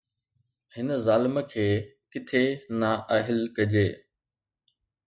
هن ظالم کي ڪٿي نااهل ڪجي؟